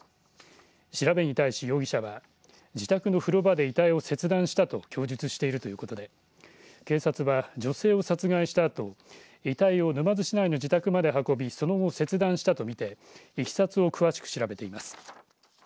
調べに対し、容疑者は自宅の風呂場で遺体を切断したと供述しているということで警察は女性を殺害したあと遺体を沼津市内の自宅まで運びその後、切断したと見ていきさつを詳しく調べています。